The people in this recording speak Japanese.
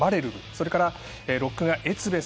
それからロックがエツベス。